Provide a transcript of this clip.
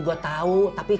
loh apa ini